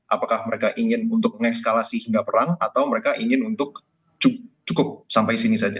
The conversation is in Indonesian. apakah mereka ingin untuk mengekskalasi hingga perang atau mereka ingin untuk cukup sampai sini saja